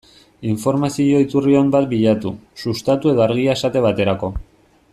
Informazio iturri on bat bilatu, Sustatu edo Argia esate baterako.